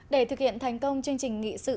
để thực hiện thành công chương trình nghị sự